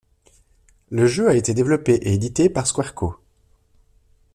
Le jeu a été développé et édité par Square Co.